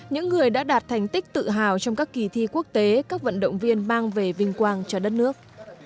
những người đã đạt thành tích tự hào trong các kỳ thi quốc tế các vận động viên mang về vinh quang cho đất nước